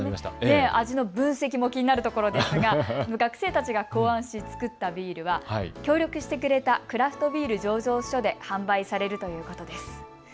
味の分析も気になるところですが学生たちが考案し造ったビールは協力してくれたクラフトビール醸造所で販売されるということです。